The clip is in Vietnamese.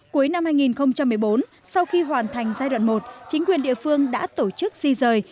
cuối năm hai nghìn một mươi bốn sau khi hoàn thành giai đoạn một chính quyền địa phương đã tổ chức di rời